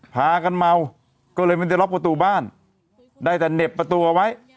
พากันเมาก็เลยไม่ได้ล็อกประตูบ้านได้แต่เหน็บประตูเอาไว้